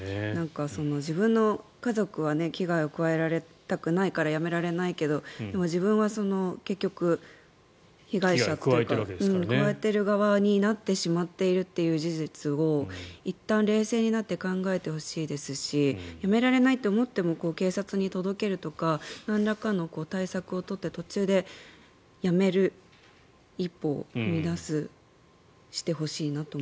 自分の家族は危害を加えられたくないからやめられないけどでも自分は結局、被害者というか加えている側になってしまっているという事実をいったん冷静になって考えてほしいですしやめられないと思っても警察に届けるとかなんらかの対策を取って途中でやめる一歩を踏み出してほしいなと。